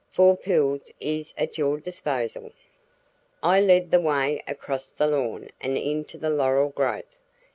"Four Pools is at your disposal." I led the way across the lawn and into the laurel growth.